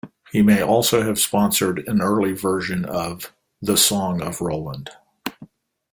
He may also have sponsored an early version of "The Song of Roland".